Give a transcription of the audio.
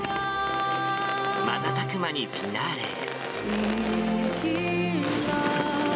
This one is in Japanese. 瞬く間にフィナーレへ。